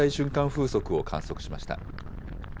風速を観測しました。